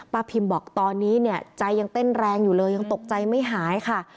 พิมบอกตอนนี้เนี่ยใจยังเต้นแรงอยู่เลยยังตกใจไม่หายค่ะ